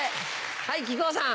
はい木久扇さん。